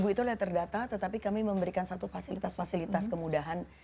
kami tidak terdata tetapi kami memberikan satu fasilitas fasilitas kemudahan